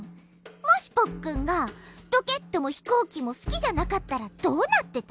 もしポッくんがロケットもひこうきもすきじゃなかったらどうなってた？